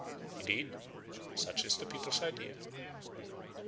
Indeed such is the people's idea."